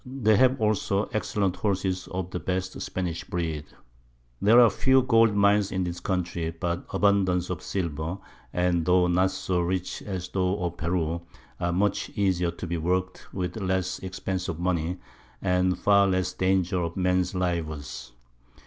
They have also excellent Horses of the best Spanish Breed. There are few Gold Mines in this Country, but abundance of Silver, and tho' not so rich as those of Peru, are much easier to be work'd, with less Expence of Money, and far less Danger of Mens Lives.